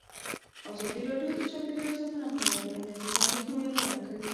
ازادي راډیو د چاپیریال ساتنه په اړه د امنیتي اندېښنو یادونه کړې.